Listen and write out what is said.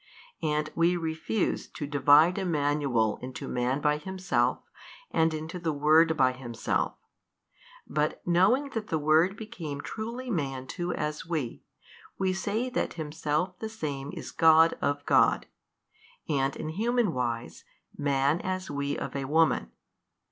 And we refuse to divide Emmanuel into man by himself and into the Word by Himself: but knowing that the Word became truly Man too as we, we say that Himself the Same is God of God, and in human wise Man as we of a woman.